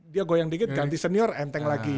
dia goyang dikit ganti senior enteng lagi